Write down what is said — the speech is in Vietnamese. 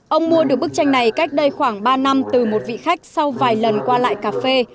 ông mua được bức tranh này cách đây khoảng ba năm từ một vị khách sau vài lần qua lại cà phê